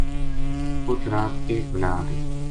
اُت رات ایک بلا آ گئی